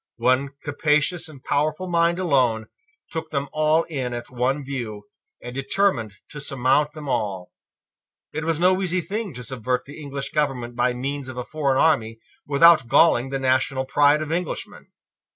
One capacious and powerful mind alone took them all in at one view, and determined to surmount them all. It was no easy thing to subvert the English government by means of a foreign army without galling the national pride of Englishmen.